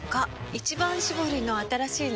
「一番搾り」の新しいの？